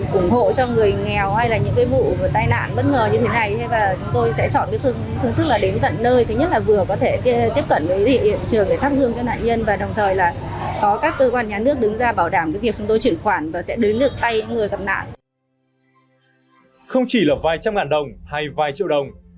không chỉ là vài trăm ngàn đồng hay vài triệu đồng